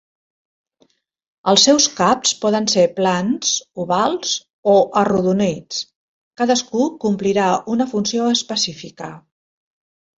Els seus caps poden ser plans, ovals o arrodonits; cadascú complirà una funció específica.